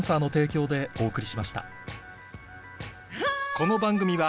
この番組は